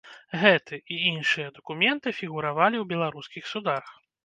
Гэты і іншыя дакументы фігуравалі ў беларускіх судах.